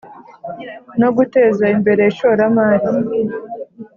no Guteza Imbere Ishoramari